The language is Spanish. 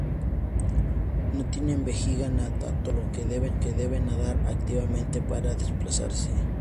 No tienen vejiga natatoria, por lo que deben nadar activamente para desplazarse.